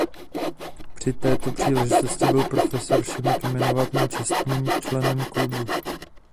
Při této příležitosti byl prof. Šimek jmenován čestným členem klubu.